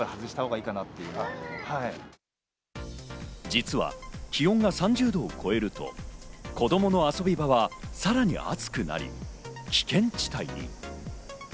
実は気温が３０度を超えると子供の遊び場はさらに暑くなり、危険地帯に。